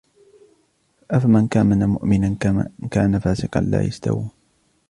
أفمن كان مؤمنا كمن كان فاسقا لا يستوون